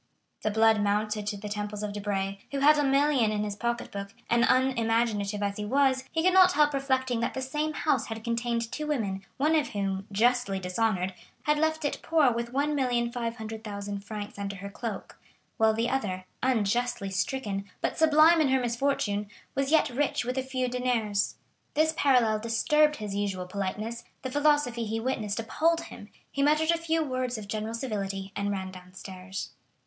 The blood mounted to the temples of Debray, who held a million in his pocket book, and unimaginative as he was he could not help reflecting that the same house had contained two women, one of whom, justly dishonored, had left it poor with 1,500,000 francs under her cloak, while the other, unjustly stricken, but sublime in her misfortune, was yet rich with a few deniers. This parallel disturbed his usual politeness, the philosophy he witnessed appalled him, he muttered a few words of general civility and ran downstairs.